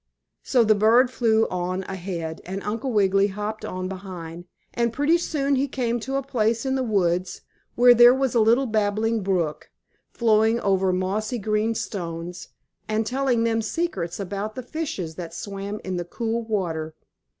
So the bird flew on ahead, and Uncle Wiggily hopped on behind, and pretty soon he came to a place in the woods where there was a little babbling brook, flowing over mossy green stones, and telling them secrets about the fishes that swam in the cool water.